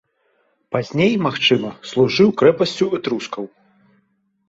Пазней, магчыма, служыў крэпасцю этрускаў.